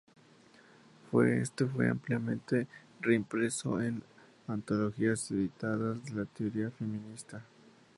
Éste fue ampliamente reimpreso en antologías editadas de la teoría feminista.